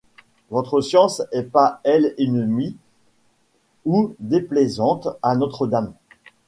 votre science est-elle pas ennemie ou déplaisante à Notre-Dame ?